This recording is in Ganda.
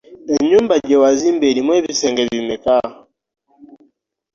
Ennyumba gye wazimba erimu ebisenge bimeka?